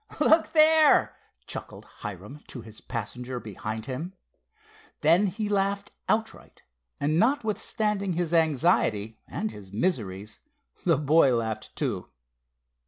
"Look there!" chuckled Hiram to the passenger behind him. Then he laughed outright, and, notwithstanding his anxiety and his miseries, the boy laughed, too.